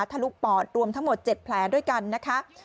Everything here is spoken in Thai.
ทะลุปอดรวมทั้งหมด๗แผลด้วยกันนะคะ